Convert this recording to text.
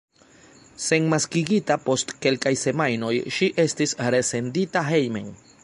Senmaskigita post kelkaj semajnoj, ŝi estis resendita hejmen.